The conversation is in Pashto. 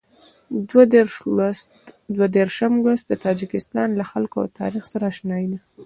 دوه دېرشم لوست د تاجکستان له خلکو او تاریخ سره اشنايي ده.